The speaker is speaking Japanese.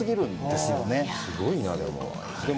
すごいなぁ、でも。